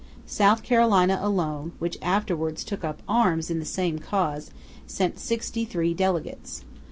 South Carolina alone, which afterwards took up arms in the same cause, sent sixty three delegates.